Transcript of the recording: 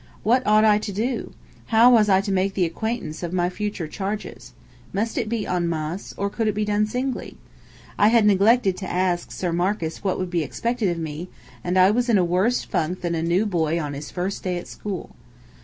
What ought I to do? How was I to make the acquaintance of my future charges? Must it be en masse, or could it be done singly? I had neglected to ask Sir Marcus what would be expected of me, and I was in a worse funk than a new boy on his first day at school.